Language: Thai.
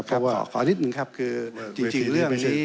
เพราะว่าเวทีนี้ไม่ใช่ขอขอนิดหนึ่งครับคือจริงเรื่องนี้